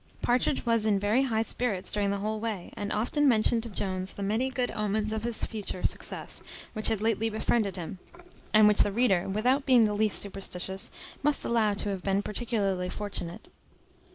Partridge was in very high spirits during the whole way, and often mentioned to Jones the many good omens of his future success which had lately befriended him; and which the reader, without being the least superstitious, must allow to have been particularly fortunate.